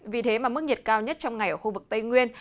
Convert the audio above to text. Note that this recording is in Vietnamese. vì thế mà mức nhiệt cao nhất trong ngày ở khu vực tây nguyên